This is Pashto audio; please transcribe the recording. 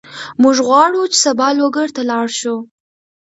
موږ غواړو چې سبا لوګر ته لاړ شو.